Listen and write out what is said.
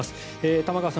玉川さん